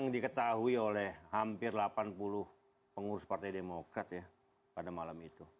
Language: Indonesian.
diketahui oleh hampir delapan puluh pengurus partai demokrat ya pada malam itu